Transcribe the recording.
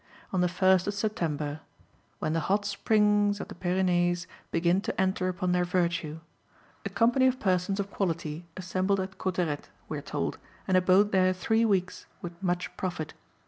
On the first of September, "when the hot springs of the Pyrenees begin to enter upon their virtue," a company of persons of quality assembled at Cauterets, we are told, and abode there three weeks with much profit.